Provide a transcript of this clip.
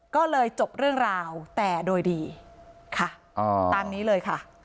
ก็เลยจบเรื่องราวแต่โดยดีค่ะตามนี้เลยค่ะ